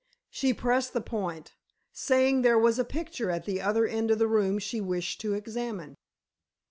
She pressed the point, saying there was a picture at the other end of the room she wished to examine.